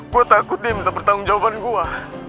gue takut dia minta pertanggung jawaban gue